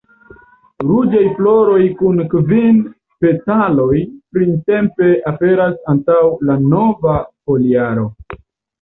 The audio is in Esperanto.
Ruĝaj floroj kun kvin petaloj printempe aperas antaŭ la nova foliaro.